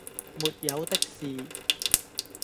「沒有的事……」